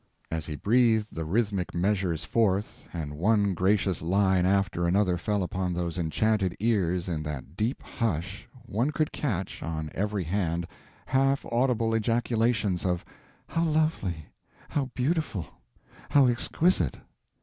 As he breathed the rhythmic measures forth, and one gracious line after another fell upon those enchanted ears in that deep hush, one could catch, on every hand, half audible ejaculations of "How lovely—how beautiful—how exquisite!"